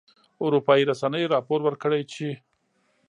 اروپایي رسنیو راپور ورکړی چې